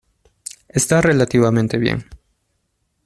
Está relativamente bien.